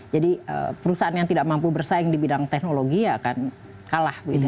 jadi perusahaan yang tidak mampu bersaing di bidang teknologi akan kalah